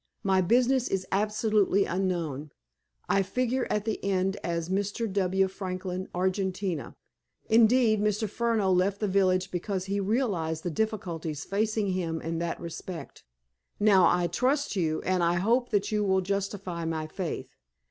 My business is absolutely unknown. I figure at the inn as "Mr. W. Franklin, Argentina." Indeed, Mr. Furneaux left the village because he realized the difficulties facing him in that respect. Now, I trust you, and I hope you will justify my faith.